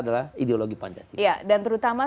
adalah ideologi pancasila dan terutama